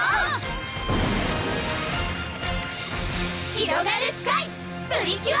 ひろがるスカイ！プリキュア！